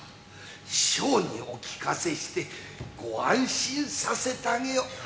師匠にお聞かせしてご安心させてあげよ。